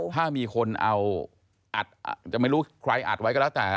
ถ้ามีคนเอาอัดอาจจะไม่รู้ใครอัดไว้ก็แล้วแต่